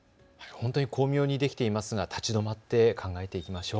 本当に巧妙にできていますが立ち止まって考えていきましょう。